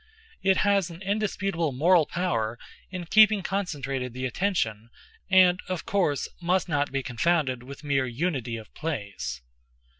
It has an indisputable moral power in keeping concentrated the attention, and, of course, must not be confounded with mere unity of place.